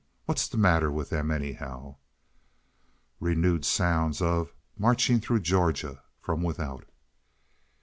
What's the matter with them, anyhow?" Renewed sounds of "Marching Through Georgia" from without.